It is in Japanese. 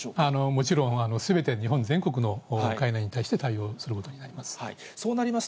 もちろんすべて、日本全国の海難に対して対応することになります。